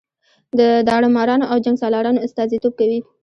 د داړه مارانو او جنګ سالارانو استازي توب کوي.